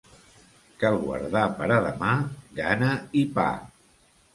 Cal guardar per a demà, gana i pa.